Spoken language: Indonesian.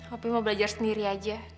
hobi mau belajar sendiri aja